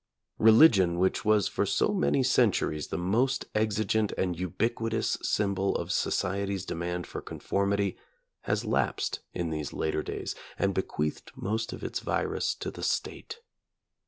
Religion, which was for so many centuries the most exigent and ubiquitous symbol of society's demand for conformity, has lapsed in these later days and bequeathed most of its virus to the State.